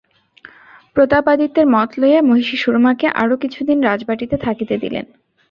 প্রতাপাদিত্যের মত লইয়া মহিষী সুরমাকে আরাে কিছু দিন রাজবাটিতে থাকিতে দিলেন।